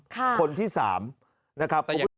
ค่ะคนที่สามนะครับ